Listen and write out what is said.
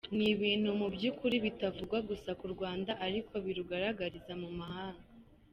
N’ibintu mu by’ukuri bitavuga gusa ku Rwanda ariko birugaragaza mu mahanga.